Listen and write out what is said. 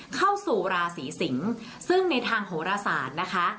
เข้าสู่ราศีสิงศ์ซึ่งในทางโหรศาสตร์นะคะ